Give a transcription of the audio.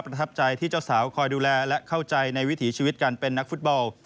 ทับใจที่เจ้าสาวคอยดูแลและเข้าใจในวิถีชีวิตการเป็นนักฟุตบอล